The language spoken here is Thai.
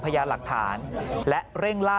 ปี๖๕วันเช่นเดียวกัน